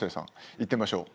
いってみましょう。